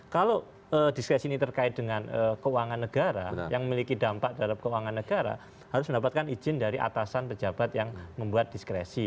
kalau diskresi ini terkait dengan keuangan negara yang memiliki dampak terhadap keuangan negara harus mendapatkan izin dari atasan pejabat yang membuat diskresi